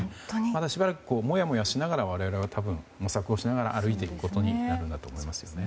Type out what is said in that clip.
まだしばらく、もやもやしながら我々は模索をしながら歩いていくことになるんだと思いますね。